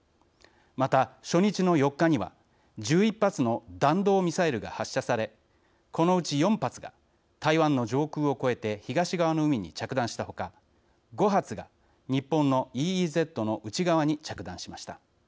また、初日の４日には１１発の弾道ミサイルが発射されこのうち４発が台湾の上空を越えて東側の海に着弾した他５発が日本のＥＥＺの内側に着弾しました。